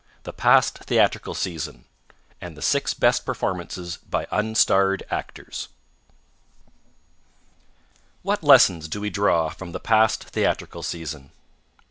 THE PAST THEATRICAL SEASON And the Six Best Performances by Unstarred Actors What lessons do we draw from the past theatrical season?